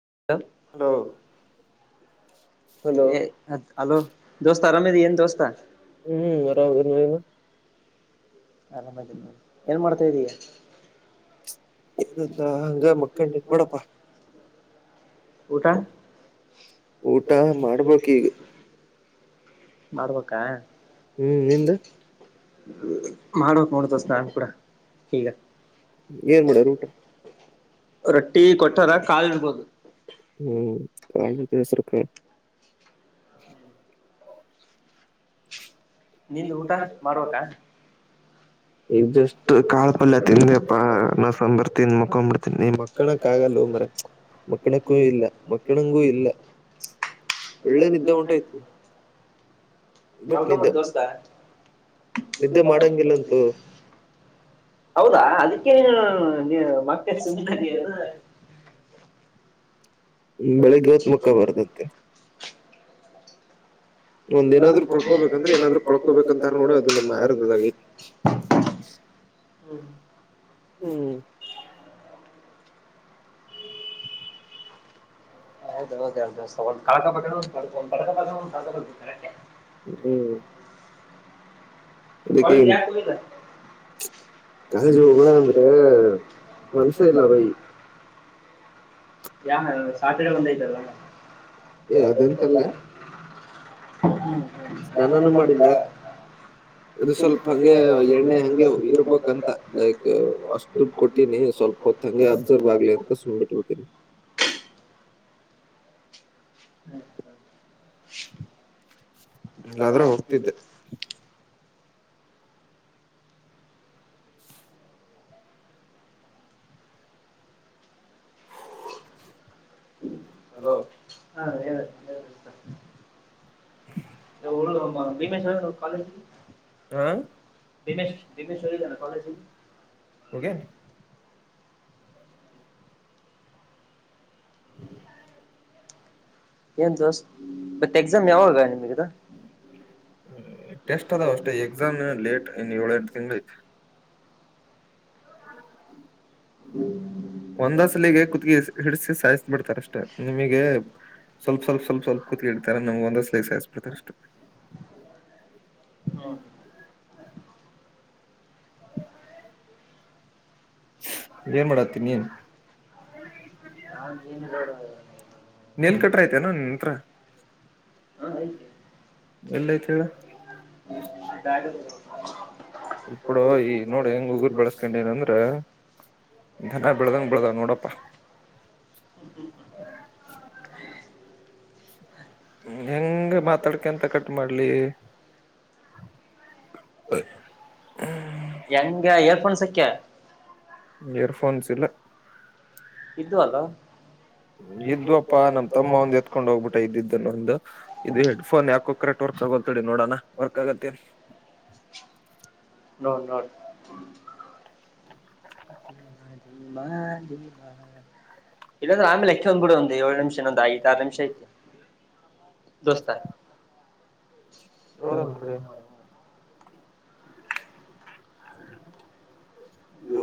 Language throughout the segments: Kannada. [inaudible] ಹಲೋ ಹಲೋ ಏ ಅದ ಹಲೋ ದೋಸ್ತ ಆರಾಮಿದೀ ಏನ್ ದೋಸ್ತ. ಹ್ಮ್ ಆರಾಮಿನಿ ನಿನ್. ಆರಾಮದೀನಿನೋಡ್ ಏನ್ ಮಾಡ್ತಾ ಇದ್ದೀಯ. [unintelligible] ಹಂಗ ಮಕ್ಕಂಡಿನಿ ನೋಡಪ್ಪ. ಊಟಾ, ಊಟ ಮಾಡ್ಬೇಕ ಈಗ ಮಾಡ್ಬೇಕಾ, ಹ್ಮ್ ನಿಂದ. ಮಾಡ್ಬೇಕಾ ನೋಡ ದೋಸ್ತ ಕೂಡ ಈಗ. ಏನ್ ಮಾಡ್ಯಾರ ಊಟ. ರೊಟ್ಟಿ ಕೊಟ್ಟಾರ ಕಾಳ ಇರ್ಬೋದು. ಹ್ಮ್ [unintelligible] ನಿಂದು ಊಟ ಮಾಡ್ಬೇಕಾ. ಈಗ ಜಸ್ಟ್ ಕಾಳ ಪಲ್ಯ ತಿಂದೇಪ್ಪ ಅನ್ನ ಸಾಂಬಾರ್ ತಿಂದ ಮಕೊಂಡ್ ಬಿಡ್ತಿನಿ. ನೀ ಮಕ್ಕಳೊಕ್ಕ ಆಗಲ್ಲ. ಬರೇ ಮಕ್ಕಣಕ್ಕೂ ಇಲ್ಲ, ಮಕ್ಕಣಂಗೂ ಇಲ್ಲ, ಒಳ್ಳೆ ನಿದ್ದೆ ಹೊಂಟೈತಿ. ಬಟ್ ನಿದ್ದೆ, ಮಾಡ್ಕೊಂಬಿಡು ದೋಸ್ತ ನಿದ್ದೆ ಮಾಡಂಗಿಲ್ಲಂತೂ. ಹೌದಾ ಅದಕ್ಕೆ ನೀ ಮತ್ತೆ ಸುಮ್ಮನೆ ಅದಿ ಅನು. ಹ್ಮ್ಮ ಬೆಳಿಗ್ಗೆ ಯಾಕ್ ಮಕ್ಕೊ ಬಾರದಂತೆ, ಏನಾದ್ರು ಕಳ್ಕೋಬೇಕಂತಾರ ನೋಡ ಅದು ನಮ್ಮ ಆಹಾರದದಾಗೈತಿ [unintelligible] ಹ್ಮ್. ಹ್ಮ್. [inaudible] ಹೌದದ [unintelligible] ಒಂದ್ ಕಳ್ಕಬೇಕ ಅಂದ್ರೆ ಹ್ಮ್ ಒಂದ್ ಪಡ್ಕ್, ಪ ಡ್ಕೋಬೇಕ್ ಒಂದ್ ಕಳಕಬೇಕು ನೋಡ್ ಅಟ್ಟೆ. ಹ್ಮ್ ಅದಕ್ಕೆ ಕಾಲೇಜ್ಕ ಯಾಕ್ ಹೋಗಿಲ್ಲ. ಕಾಲೇಜ್ ಹೋಗಣ ಅಂದ್ರೆ ಮನಸೇ ಇಲ್ಲ ಬೈ. ಯಾ ಸಾಟರ್ಡೆ ಒಂದ ಐತಲ್ಲ. ಏ ಅದಂತಲ್ಲ. ಹ್ಮ. ಸ್ನಾನನೂ ಮಾಡಿಲ್ಲ. ಇದು ಸ್ವಲ್ಪ ಹಂಗೆ ಎಣ್ಣೆ ಹಂಗೆ ಇರ್ಬೇಕಂತ ಲೈಕ್ ಅಷ್ಟ್ ದುಡ್ಡು ಕೊಟ್ಟಿನಿ ಸ್ವಲ್ಪ ಹೊತ್ ಹಂಗೆ ಅಬ್ಸರ್ ಬ ಆಗ್ಲಿ ಅಂತ ಸು ಬಿಟ್ಟುಡ್ತೀನಿ ಇಲ್ಲಾದ್ರೆ ಹೋಗ್ತಿದ್ದೆ ಹ ಹ ಹಲೋ ಹಾ ಹೇಳ ಮ ಕಾಲೇಜ ಹಾ ಹ ದಿನೇಶ್ ದಿನೇಶ್ ಹ ಜಣ ಕಾಲೇಜ ಗ ಹ್ಮ ಏನ್ ದೋಸ್ ಮತ್ತ ಎಕ್ಸಾಮ್ ಯಾವಾಗ ನಿಮಗದ ಟೆಸ್ಟ್ ಅದಾವ ಅಷ್ಟೇ ಎಕ್ಸಾಮ್ ಲೇಟ್ ಇನ್ ಏಳೆರಡು ತಿಂಗಳಿ ಹ್ಮ್ ಒಂದಸಲಿಗೆ ಕತ್ ಹಿಡಿಸಿ ಸಾಯಸ್ ಬಿಡ್ತಾರಷ್ಟೇ ನಿಮಗೆ ಸ್ವಲ್ಪ ಸ್ವಲ್ಪ ಸ್ವಲ್ಪ ಸ್ವಲ್ಪ ಕೂತ್ಳ್ತಾರೆ ನಮ್ಗೆ ಒಂದ ಸ್ಲ ಸಾಯಸ್ಬಿಡ್ತಾರ ಅಷ್ಟು ಹ್ಮ ಏನ್ ಮಾಡಾತನಿ ನೀನ್ ನನ್ ಜೀನ ನೆಲ್ ಕಟ್ರ ಐತೆನೋ ನಿನ್ ಹತ್ರ ಹಾ ಎಲ್ಲೈತ್ ಹೇಳ ಆಯತ ಇಲ್ಪಡ ಈ ನೋಡು ಹೆಂಗ್ ಉಗರು ಬೆಳಸ್ಕೊಂಡ ಏನಂದ್ರ ನ ಬೆಳದಂಗ ಬೆಳದಾವ ನೋಡಪ್ಪಾ ಹ್ಮ ಹ್ಮ ಹೆಂಗ ಮಾತಾಡ್ಕಂತ ಕಟ್ ಮಾಡ್ಲಿ ಎಂಗ ಇಯರ್ಫೋನ್ ಸಕ್ಕ ಇಯರ್ಫೋನ್ಸ್ ಇಲ್ಲ ಇದು ಅಲ್ಲ ಇದ್ವಪ್ಪಾ ನಮ ತಮ್ಮ ಒಂದ್ ಎತ್ಕೊಂಡ್ ಹೋಗ್ಬಿಟ್ಟ ಇದ್ದಿದ್ದನ್ನು ಒಂದು ಇದು ಹೆಡ್ಫೋನ್ ಯಾಕೋ ಕರೆಕ್ಟ್ ವರ್ಕ್ ತಗೋ ಕಡೆ ನೋಡೋಣ ವರ್ಕ್ ಆಗತ್ತೇ ನೋ ನೋ ಮ ಇಲ್ಲಂದ್ರೆ ಆಮಲೆಕ್ಕ ಒಂದ್ಡ ಒ ಏು ನಿಮಿಷನ ಒಂದ್ಐ್ ಆರು ನಿಮಿಷ ಐತಿ ದೋಸ್ತ ನೋಡೋಣ ತಡಿ ಹ್ಮ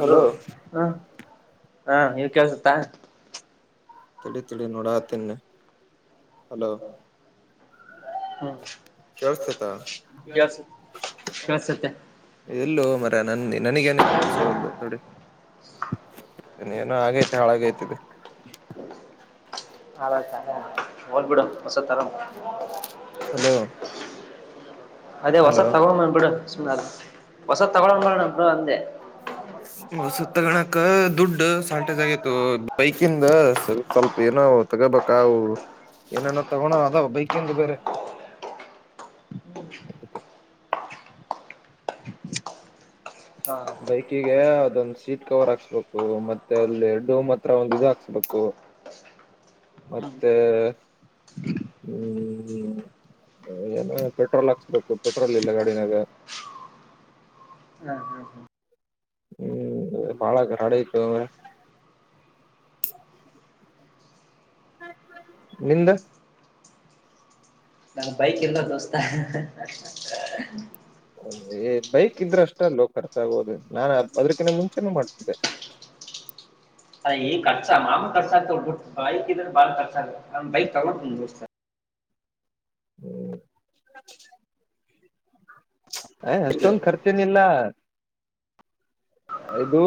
ಹಲೋ ಹ ಹಾ ಇವಾಗ ಕೇಳ್ಸುತ್ತಾ ತಿಳಿ ತಿಳಿ ನೋಡಾ ತಿನ್ನ ಹಲೋ ಹ್ಮ್ ಕೇಳಸ್ತ ಕೇಳ್ಸ ಕೇಳ್ಸುತ್ತೆ ಎಲ್ಲೋ ಮರ ನನ್ನಿ ನನಗೇನಸಲ್ ತೋಡಿ ಏನೋ ಹಾಗೈತೆ ಹಾಳಾಗೈತದೆ ಹಾತ ಹೋಲ್ ಬಿಡು ಹೊಸ ತರ ಹಲ ಅದೇ ಹೊಸದ ತಗಳ ಅ ಬಿಡ ಸುಮ ಹೊಸದ ತಗೊ ಅ ಬಿ ಅಂದೆ ಸುತ್ತಗಣಕ್ ದುಡ್ಡು ದ ಸಾಲ್ಟೇಜ್ ಆಗಿತ್ತು ಬೈಕಿಂದ ಸ್ವಲ್ಪ ಏನೋ ತಗೋಬೇಕ ಏನನ ತಗೋಣ ಅದಾವ ಬೈಕಿಂದು ಬೇರೆ ಹಾ ಬೈಕಿಗೆ ಅದೊಂದ ಸೀಟ್ ಕವರ್ ಹಾಕ್ಸ್ಬೇಕು ಮತ್ತೆ ಅಲ್ಲಿ ಡೋಮ್ ಹತ್ರ ಒಂದ ಇದು ಹಾಕ್ಸ್ಬೇಕು ಹ್ಮ್ ಮತ್ತೆ ಹ್ಮ್ ಏನ ಪೆಟ್ರೋಲ್ ಹಾಕ್ಸ್ಬೇಕು ಪೆಟ್ರೋಲ್ ಇಲ್ಲ ಗಾಡಿನಾಗ ಹ್ಮ್ ಹ್ಮ್ ಹ್ಮ ಹ್ಮ್ ಬಾಳ ಕರಾಡ ಇತ್ರ ನಿಂದ ನಾ ಬೈಕ್ ಎಲ್ಲ ದೋಸ್ತಾ ಬೈಕ್ ಇದ್ರೆ ಅಷ್ಟ ಅಲ್ಲೋ ಖರ್ಚಾಗೋುದು ನಾನನ್ ಅದ್ರಕಿಂತ ಮುಂಚೆನೆ ಮಾಡ್ತಿದ್ದೆ ಅದ ಈ ಖರ್ಚ ಮಾ ಖರ್ಚ ಆಗ್ಬಟ್ಟು ಬೈಕ್ ಇದ್ರೆ ಬಾಳಖರ್ಚ ಆಗ ನ್ ಬೈಕ್ ತಗೊಂಡತ ಹ್ಮ್ ಅ್ ಈಗ ಅಷ್ಟೊಂದು ಖರ್ಚನಿಲ್ಲ ಇದು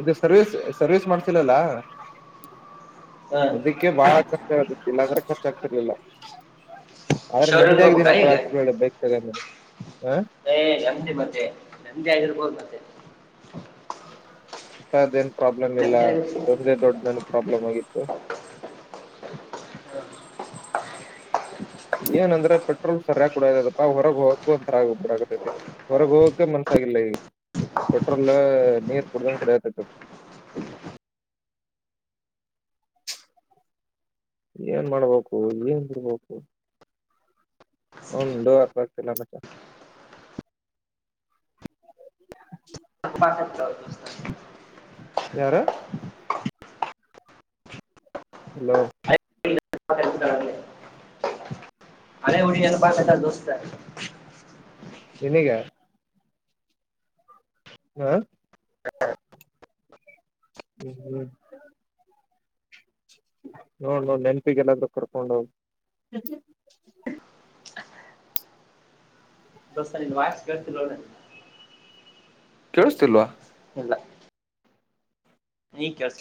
ಇದು ಸರ್ವಿಸಸ್ ಸರ್ವಿಸ್ ಮಾಡ್ತಿಿಲ್ಲಲ್ಲ ಹ ಅದಕ್ಕೆ ಬಾಳ ಕಷ್ಟ ಆತುತ್ತ ಇಲ್ಲಾದ್ರೆ ಕಷ್ಟ ಆಗ್ತಿರ್ಲಿಲ್ಲ ಆದ್ರೆ ನಮ್ದೇ ಶೋರೂಮ್ಗೆ ಹೋಗ್ಬೇಕಾ ಆಗ್ದೀನಪ್ಪ ಈಗ ಅಕ್ ಬೈಕ್ ತಗ ಹ ನಂದೆ ಮತ್ತೆ ನಂದಿ ಆಗಿರ್ಬೋದು ಮತ್ತೆ ಊಟದೇನ್ ಪ್ರಾಬ್ಲಮ್ ಇಲ್ಲ ನೆಮ್ಮದಿ ಆಗಿರ್ಬೋದು ಅದೊಂದೇ ದೊಡ್ಡ ಮನ್ ಪ್ರಾಬ್ಲಮ್ ಆಗಿತ್ತು ಏನಂದ್ರೆ ಪೆಟ್ರೋಲ್ ಸರಿಯ ಕೂಡದಪ್ಪ ಹೊರಗ್ ಹೋಗಕಕ್ ಒಂಥರಡೈತಿ ಹೊರಗ್ ಹೋಗಕೆ ಮನ್ಸ ಇಲ್ಲೆ ಪಟೋಲ್ ನೀರ್ ಕೊಡುತ ಕಡ್ದಕ್ಕ ಏನ್ ಮಾಡ್ಬೇಕು ಏನ್ ಬಿಡ್ಬೇಕು ಹಂದುತಲ್ಲ ಮ ಹಪಾಸಕ್ ಯಾರು ಹಲೋ ಅ ಉಳ ಎಏಪತಾ ದೋಸ್ತ ಇನಗ ಹಾ ಹ್ಮ್ ಹ್ಮ್ ನೋಡ್ ನೋ ನೆನಪಿಗೆ ಎಲ್ಲಾದ್ರೂ ಕರ್ಕೊಂಡೋಗ ದಸ ನಿ ವಸ್ ಗತಿ ನೋಡ ಹ ಕೇಳಿಸ್ತಿಲ್ವಾ ಇಲ್ಲ ಈ ಕೆಸ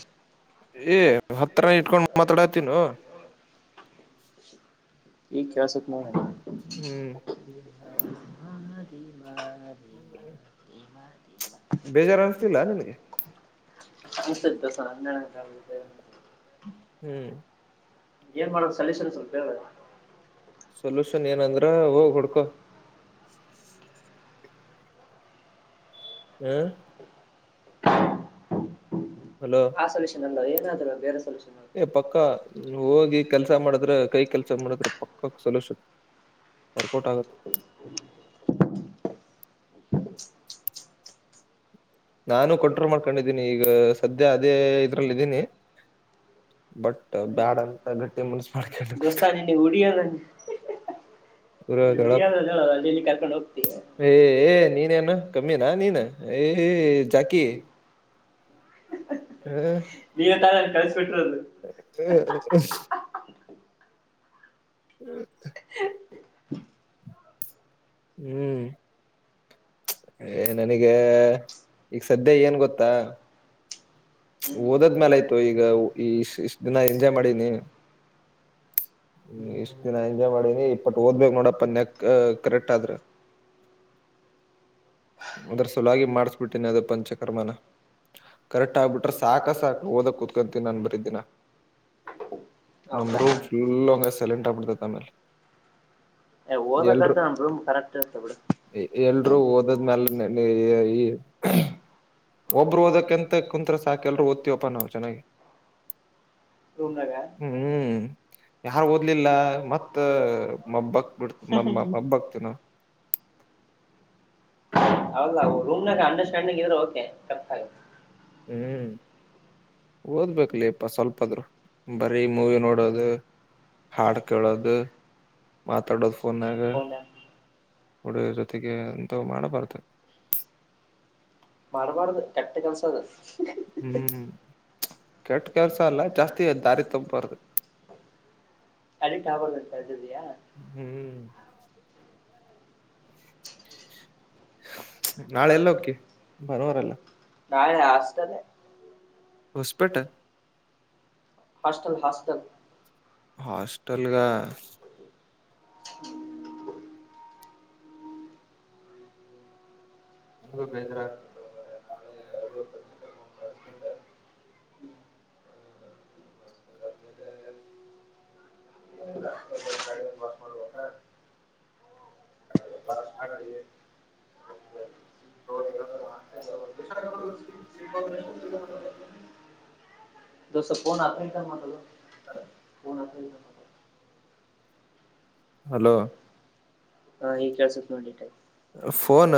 ಏ ಹತ್ರರ ಇಟ್ಕೊಂಡ್ ಮಾತಾಡತಿನ ಈ ಕಸಪ್ಮ ಹ್ಮ್ ಹ ಬೇಜಾರು ಅನ್ಿಸ್ತಿಲ್ಲ ನನ್ಗೆ ಹ ಸರಿಸ ಅ ಹ್ಮ್ ಏನ್ ಮಾಡದು ಸಲ ಸಲ್ಲ ಸ್ವಲ್ಪೇ ಸೊಲ್ಯೂಷನ್ ಏನಂದ್ರ ಹೋಗ್ ಹುಡ್ಕೊ ಹ್ಮ ಹಲೋ ಆ ಸೊಲ್ಯೂಷನ್ ಅಲ್ಲ ಏನಾದ ಬೇರೆ ಸೊಲ್ಯೂನ್ ಏ ಪಕ್ಕ ಹೋಗಿ ಕೆಲ್ಸ ಮಾಡಿದ್ರ ಕೈ ಕೆಲ್ಸ ಮಾಡದ್ರ ಪಕ್ಕ ಸೊಲ್ೂಷನ್ ರ್ಕೋಟ್ ಆಗುತ್ತ ನಾನು ಕಂಟ್ರೋಲ್ ಮಾಡ್ಕೊಂಡಿದ್ದೀನಿ ಈಗ ಸದ್ಯ ಅದೇ ಇದ್ರಲ್ ಇದ್ದೀನಿ ಬಟ್ ಬ್ಯಾಡ ಅಂತ ಗಟ್ಟಿ ಮನ್ಸ ಮಾಡ್ಕ ದೋಸ್ತ ನಿನ್ನೆ ಹುಡಿಯೋದ ಪರ ಹುಡಿಯೋದ ಹೇಳ ಅಲ್ಲಿ ಇಲ್ಲಿ ಕರ್ಕೊಂಡು ಹೋಗ್ತೀಯ ಏಏ ನೀನ್ೇನು ಕಮ್ಮಿನ ನೀನು ಏ ಜಾಕಿ ನೀವೇ ತಾನೇ ಹ್ಮ ಕಳಿಸ್ಬಿಟ್ಟಿರೋದು ಹ ಹ್ಮ್ ಹ್ಮ್ ಏ ನನಗ ಈಗ ಸದ್ಯ ಏನ್ ಗೊತ್ತಾ ಓದದ್ಮೇಾಲ ಆಯ್ತು ಈಗ ಈ ಇಷ್ಟ ದಿನ ಎಂಜಾಯ್ ಮಾಡಿನಿ ಹ್ಮ್ ಇಷ್ಟ್ ದಿನ ಎಂಜಾಯ್ ಮಾಡೀಿನಿ ಇಪ್ಪಟ್ಟ ಓದ್ಬೇಕಕ್ ನೋಡಪ್ಪ ನಕ್ ಕರೆಕ್ಟ್ ಆದ್ರ ಅದ್ರ ಸುಲಾಗಿ ಮಾಡ್ಸ್ಬಿಟ್ಟೇನಿ ಅದೇ ಪಂಚಕರ್ಮನ ಕರೆಕ್ಟ್ ಆಗ್ಬಿಟ್ರೆ ಸಾಕ ಸಾಕ ಓದಕ್ ಕುೂತ್ಕೊಂತೀನಿ ನಾನ್ ಬರಿದ್ದೀಿನ ನಮ್ಮ ಹೌದಾ ರೂಮ್ ಫುಲ್ ಅವಂಗ ಸೈಲೆಂಟ್ ಆಮೇಲೆ ಏ ಓದಕ್ಕಂತ ನಮ್ ರೂಮ್ ಕರೆಕ್ಟ್ ಇರುತ್ತೆ ಬಿಡು [unintelligible] [unintelligible] ಒಬ್ರು ಓದಕ್ಕಂತ ಕುಂತ್ತ್ರ ಸಾಕೆಲ್ರುೂ ಒತ್ತಿವಪ್ಪ ನಾವು ಚೆನ್ನಾಗಿ ಹ್ಮ ರೂಮ್ನಾಗ ಹ್ಮ್ ಯಾರ್ು ಓದ್ಲಿಲ್ಲ ಮತ್ ಮಬ್ಬಕ್ ಬಿಡ್ ಮ ಮಬ್ಬಕ್ತಿನ ನೋಡು [inaudible] ಅವೌಲ್ಲ ರೂಮ್ನಾಗ ಅಂಡರ್ಸ್ಟ್ಯಾಂಡಿಂಗ್ ಇದ್ರೆ ಓಕೆ ಕೆ ಹ್ಮ್ ಓದ್ಬೇಕ ಲಪ್ಪಾ ಸ್ವಲ್ಪದ್ರು ಬರೀ ಮೂವಿ ನೋಡೋದು ಹಾಡ್ ಕೇಳೋದು ಮಾತಾಡೋದು ಫೋನ್ಾಗ ಫೋನ್ ಹುಡುಗೀರ್ ಜೊತೆಗೆ ಎಂತ ಮಾಡಬಾರತದೆ ಮಾಡ್ಬಾರ್ದು ಕಟ್ಟ ಕೆಲ್ಸ ಅದ ಹ್ಮ್ ಕೆಟ್ಟ ಕೆಲ್ಸ ಅಲ್ಲ ಜಾಸ್ತಿ ದಾರಿ ತಪ್ಪಾರ್ದು [unintelligible] ಹ್ಮ್ [unintelligible] ನಾಳೆ ಎಲ್ಲೋಗ್ತಿ ಭಾನುವಾರ ಅಲ್ಲ ನಾಳೆ ಹಾಸ್ಟೆಲ್ ಹೊಸಪೇಟೆ ಹಾಸ್ಟಲ್ ಹಾಸ್ಟಲ್ ಹಾಸ್ಟಲ್ಗ [inaudible] ಆದ್ರೂ ಬೇಜಾರಾಗ್ತಿ ಹ [unintelligible] [inaudible] ದೋಸ್ತ ಫೋನ್ ಎತ್ತ ಮಾಡಲೇ ಹಲೋ ಹಾ ಈಗ್ ಕೇಳಿಸುತ್ತೆ ನೋಡು ಫೋನ್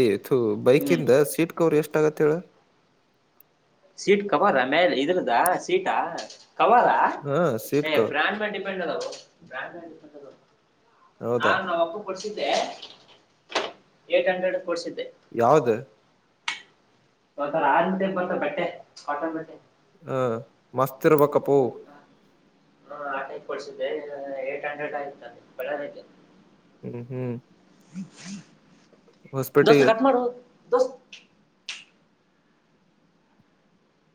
ಯತು ಹ್ಮ್ ಬೈಕಿಂದ ಸೀಟ್ ಕವರ್ ಎಷ್ಟ ಆಗತ್ತ ಹೇಳ [inaudible] ಸೀಟ್ ಕವರ ಮೇಲೆ ಇದ್ರದಾ ಸೀಟಾ ಕವಾರ ಹ ಸೀಟ್ ಕವರ್ ಬ್ರಾಂಡ್ ಮಲೇ ಡಿಪೆಂಡ್ ಅದವು ನನ್ನ ಹೌದಾ ಅಪ್ಪನಿಗೆ ಕೊಡ್ಸಿದ್ದೆ ಏಟ್ ಹಂಡ್ರೆಡ್ ಕೊಡ್ಸಿದ್ದೆ ಯಾವ್ದ ಹ [unintelligible] ಮಸ್ತ್ ಇರ್ಬೇಕಪ್ಪೋ [unintelligible] [unintelligible] ಹ್ಮ್ ಹ್ಮ್ ದೋಸ್ತ ಹೊಸಪೇಟೆಗೆ ಕಟ್ ಮಾಡೊ ದೋಸ್